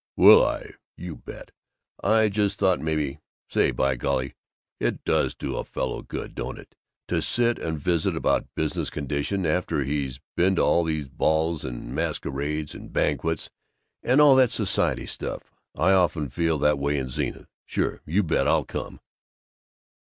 "Will I? You bet! I just thought maybe Say, by golly, it does do a fellow good, don't it, to sit and visit about business conditions, after he's been to these balls and masquerades and banquets and all that society stuff. I often feel that way in Zenith. Sure, you bet I'll come."